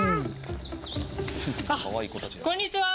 こんにちは。